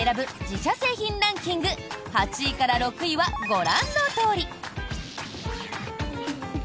自社製品ランキング８位から６位はご覧のとおり。